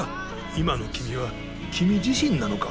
今の君は君自身なのか？